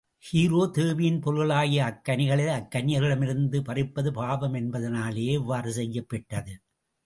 ஹீரா தேவியின் பொருள்களாகிய அக்கனிகளை அக்கன்னியர்களிடமிருந்து பறிப்பது பாவம் என்பதனாலேயே இவ்வாறு செய்யப் பெற்றது.